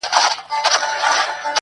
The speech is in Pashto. زر کلونه څه مستی څه خمار یووړل٫